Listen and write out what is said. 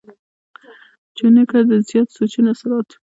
چونکه د زيات سوچونو اثرات